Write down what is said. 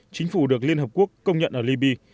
chính phủ được liên hợp quốc công nhận ở libya